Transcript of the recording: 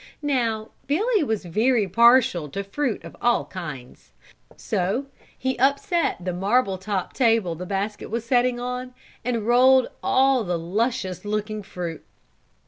Now Billy was very partial to fruit of all kinds, so he upset the marble top table the basket was setting on and out rolled all the luscious looking fruit.